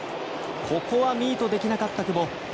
ここはミートできなかった久保。